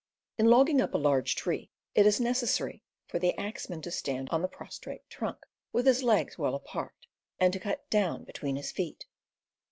In logging up a large tree it is necessary for the axe man to stand on the prostrate trunk, with his legs well apart, and to cut down between his feet.